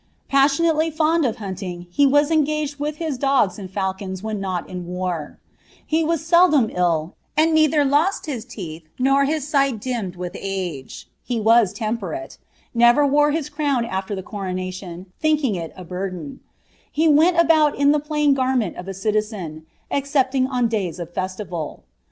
Passionately (bnd of hauling, be m ung^cd with his dogs and falcons when n<M in war. He wfts 9cblna JD, and neither lost his teeth nor was his sight dimmed with ate. He n> temperate ; never wore his crown after the coronation, uiinking il i burdcD \ he went about in the plain garment of a citizen, exoqkinf m ilsys of festival."